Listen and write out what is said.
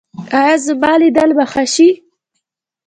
ایا زما لیدل به ښه شي؟